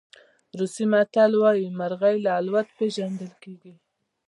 روسي متل وایي مرغۍ له الوت پېژندل کېږي.